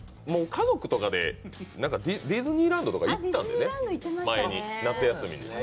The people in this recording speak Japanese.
家族とかでディズニーランドとか行ったんでね、前に夏休みに。